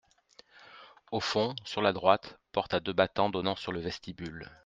Au fond, sur la droite, porte à deux battants donnant sur le vestibule.